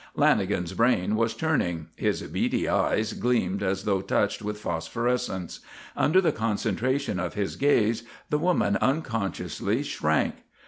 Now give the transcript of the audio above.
Lanagan's brain was churning. His beady eyes gleamed as though touched with phosphorescence. Under the concentration of his gaze, the woman unconsciously shrank.